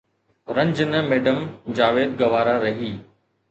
رنج نه ميڊم جاويد گوارا رهي